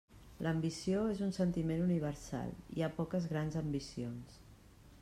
L'ambició és un sentiment universal; hi ha poques grans ambicions.